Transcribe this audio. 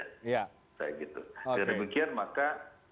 misalnya gitu dari bagian maka